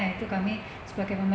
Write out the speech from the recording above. itu kami sebagai pemerintah